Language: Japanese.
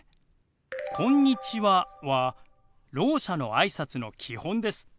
「こんにちは」はろう者のあいさつの基本です。